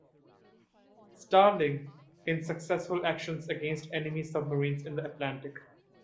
"Starling" in successful actions against Enemy submarines in the Atlantic.